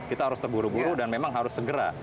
kita harus terburu buru dan memang harus segera